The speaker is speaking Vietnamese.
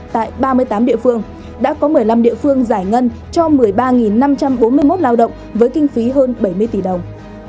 tại ba mươi tám địa phương đã có một mươi năm địa phương giải ngân cho một mươi ba năm trăm bốn mươi một lao động với kinh phí hơn bảy mươi tỷ đồng